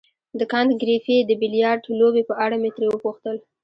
د کانت ګریفي د بیلیارډ لوبې په اړه مې ترې وپوښتل.